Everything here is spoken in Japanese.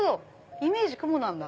イメージ雲なんだ。